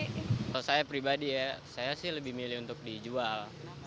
kalau saya pribadi ya saya sih lebih milih untuk dijual